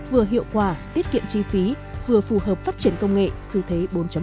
vừa hiệu quả tiết kiệm chi phí vừa phù hợp phát triển công nghệ xu thế bốn